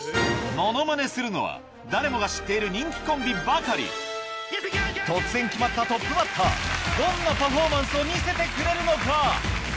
ものまねするのは誰もが知っている人気コンビばかり突然決まったトップバッターどんなパフォーマンスを見せてくれるのか？